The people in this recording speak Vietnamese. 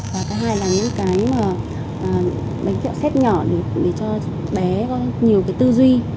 và cái hai là những cái bánh kẹo xếp nhỏ để cho bé có nhiều tư duy